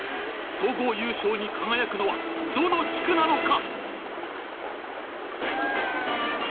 総合優勝に輝くのはどの地区なのか？